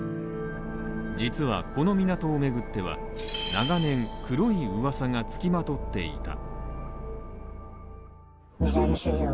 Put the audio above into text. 実はこの港を巡っては、長年黒い噂が付きまとっていた。